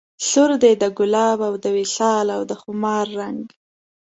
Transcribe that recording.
سور دی د ګلاب او د وصال او د خمار رنګ